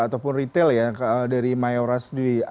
ataupun retail ya dari mayora sendiri